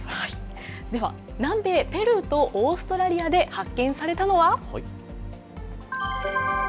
では南米ペルーとオーストラリアで発見されたのは。